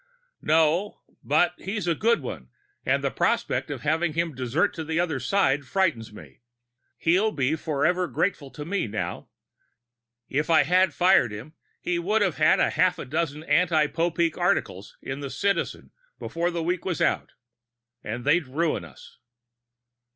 "No. But he's a good one and the prospect of having him desert to the other side frightens me. He'll be forever grateful to me now. If I had fired him, he would've had half a dozen anti Popeek articles in the Citizen before the week was out. And they'd ruin us."